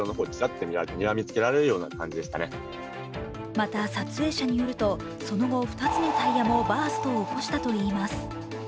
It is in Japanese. また撮影者によると、その後２つのタイヤもバーストを起こしたといいます。